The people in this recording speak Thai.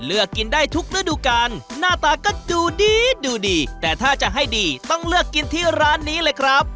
เลือกกินได้ทุกฤดูกาลหน้าตาก็ดูดีดูดีแต่ถ้าจะให้ดีต้องเลือกกินที่ร้านนี้เลยครับ